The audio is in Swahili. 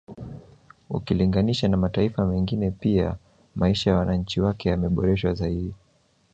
Ukilinganisha na mataifa mengine pia maisha ya wananchi wake yameboreshwa zaidi